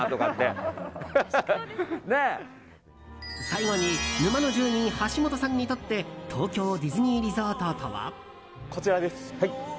最後に沼の住人橋本さんにとって東京ディズニーリゾートとは。こちらです！